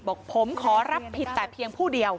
บอกผมขอรับผิดแต่เพียงผู้เดียว